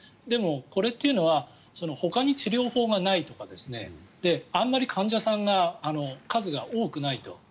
でも、これというのはほかに治療法がないとかあまり患者さんが数が多くないと。